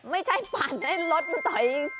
ไม่ใช่ปั่นรถมันต่อย